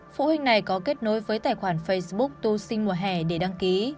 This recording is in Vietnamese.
phụ huynh này có kết nối với tài khoản facebook tu sinh mùa hè để đăng ký